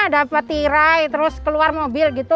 dapat tirai terus keluar mobil gitu